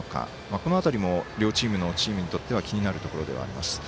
この辺りの両チームにとっては気になるところではあります。